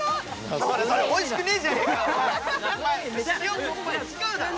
おいしくねえじゃねえかよ！